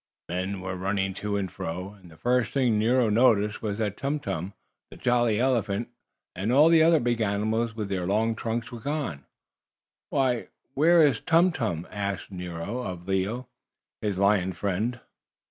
Men were running to and fro, and the first thing Nero noticed was that Tum Tum, the jolly elephant, and all the other big animals with the long trunks were gone. "Why, where is Tum Tum?" asked Nero of Leo, his lion friend.